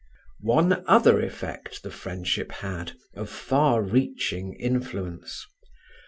One other effect the friendship had of far reaching influence.